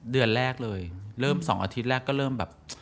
เดือนแรกเลยเริ่ม๒อาทิตย์แรกก็เริ่มแบบ